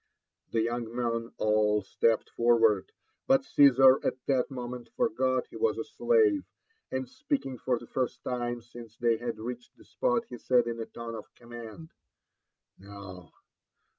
The young men aH stepped forward ; but Caesar at that moment forgot he was a slave, and speaking for the first time, since they had reached the spot, he said in a tone of command. ;'' No